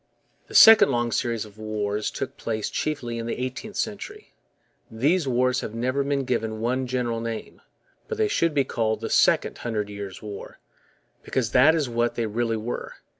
The second long series of wars took place chiefly in the eighteenth century. These wars have never been given one general name; but they should be called the Second Hundred Years' War, because that is what they really were.